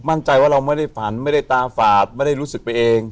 มั่นใจว่าเราไม่ได้ฝันไม่ได้ตาฝาดไม่ได้รู้สึกไปเอง